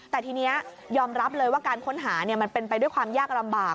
แต่ทีนี้ยอมรับเลยว่าการค้นหามันเป็นไปด้วยความยากลำบาก